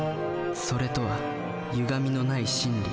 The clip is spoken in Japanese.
「それ」とはゆがみのない真理。